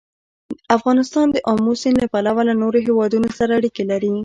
افغانستان د آمو سیند له پلوه له نورو هېوادونو سره اړیکې لري.